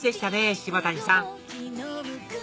島谷さん